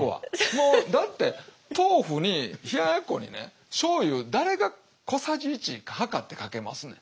もうだって豆腐に冷ややっこにねしょうゆ誰が小さじ１量ってかけますねん。